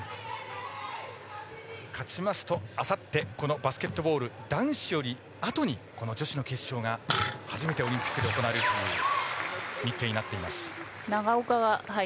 勝ちますと、あさってこのバスケットボール男子よりあとに、女子の決勝が初めてオリンピックで行われる日程になっています。